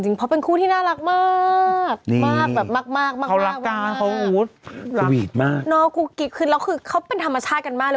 เนาะคุณกิ๊ดขึ้นแล้วคือเขาเป็นธรรมชาติกันมากเลย